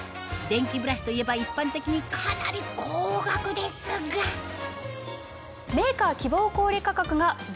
電気ブラシといえば一般的にかなり高額ですがなんと。